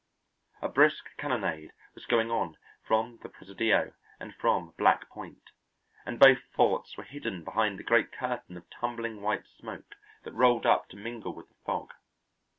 A brisk cannonade was going on from the Presidio and from Black Point, and both forts were hidden behind a great curtain of tumbling white smoke that rolled up to mingle with the fog.